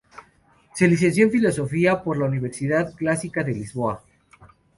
Se licenció en filosofía por la Universidad Clásica de Lisboa.